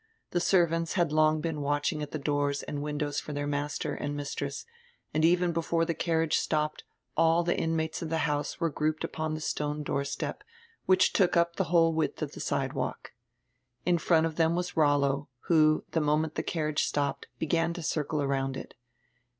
The servants had long been watching at die doors and windows for dieir master and mistress, and even before die carriage stopped all die inmates of die house were grouped upon die stone door step, which took up die whole width of die sidewalk. In front of diem was Rollo, who, die moment die carriage stopped, began to circle around it.